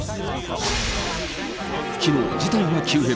きのう、事態が急変。